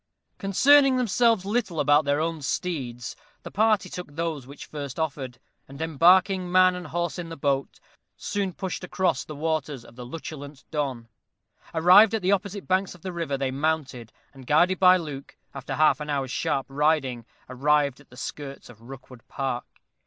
Concerning themselves little about their own steeds, the party took those which first offered, and embarking man and horse in the boat, soon pushed across the waters of the lutulent Don. Arrived at the opposite banks of the river, they mounted, and, guided by Luke, after half an hour's sharp riding, arrived at the skirts of Rookwood Park.